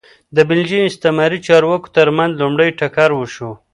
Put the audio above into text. د بلجیم استعماري چارواکو ترمنځ لومړی ټکر وشو